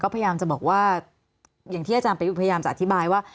พยายามจะบอกว่าอย่างที่อาจารย์ประยุทธ์พยายามจะอธิบายว่า